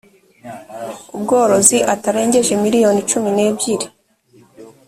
ubworozi atarengeje miliyoni cumi n ebyiri